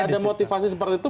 ada motivasi seperti itu